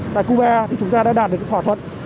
tại cuba thì chúng ta đã đạt được thỏa thuận